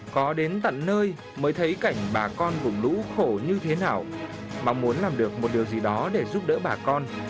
có đến tận nơi mới thấy cảnh bà con vùng lũ khổ như thế nào mong muốn làm được một điều gì đó để giúp đỡ bà con